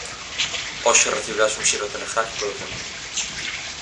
Hoxe recibirás un xiro telegráfico do Fermín.